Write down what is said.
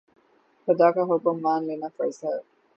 خدا کا حکم مان لینا فرض ہے